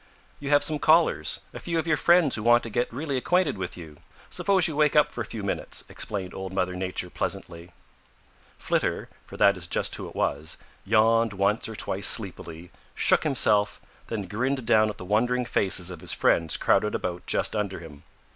"You have some callers, a few of your friends who want to get really acquainted with you. Suppose you wake up for a few minutes," explained Old Mother Nature pleasantly. Flitter, for that is just who it was, yawned once or twice sleepily, shook himself, then grinned down at the wondering faces of his friends crowded about just under him.